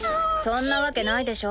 そんなわけないでしょ。